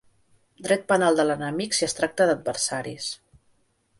Dret penal de l’enemic si es tracta d’adversaris.